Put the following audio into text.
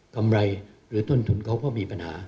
กำไรหรือต้นทุนเขาก็มีปัญหา